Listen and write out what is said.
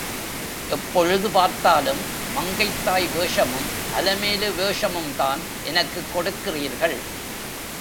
எப்பொழுது பார்த்தாலும், மங்கைத்தாய் வேஷமும், அலமேலு வேஷமும்தான் எனக்குக் கொடுக்கிறீர்கள்?